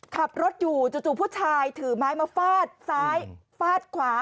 ขับรถอยู่จู่ผู้ชายถือไม้มาฟาดซ้ายฟาดขวา